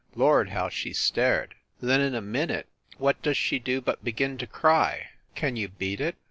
Lord, how she stared! Then in a minute what does she do but begin to cry. Can you beat it?